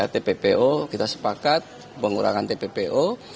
tppo kita sepakat pengurangan tppo